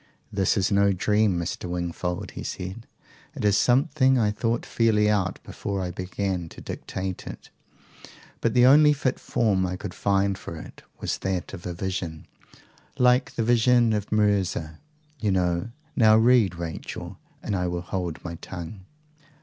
"This is no dream, Mr. Wingfold," he said. "It is something I thought fairly out before I began to dictate it. But the only fit form I could find for it was that of a vision like the Vision of Mirza, you know. Now read, Rachel, and I will hold my tongue."